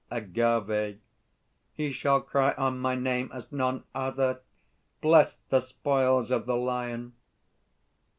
AGAVE. He shall cry on My name as none other, Bless the spoils of the Lion!